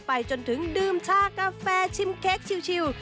ไปจนถึงดื่มชากาแฟชิมเค้กชิว